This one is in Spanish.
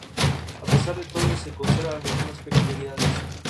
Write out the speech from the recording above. A pesar de todo, se conservan algunas peculiaridades.